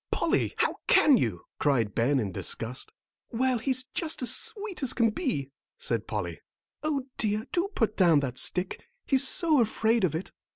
"Polly, how can you?" cried Ben, in disgust. "Well, he's just as sweet as can be," said Polly. "O dear, do put down that stick, he's so afraid of it."